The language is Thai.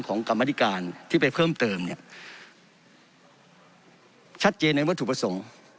กรรมธิการที่ไปเพิ่มเติมเนี่ยชัดเจนในวัตถุประสงค์